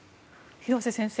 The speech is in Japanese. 廣瀬先生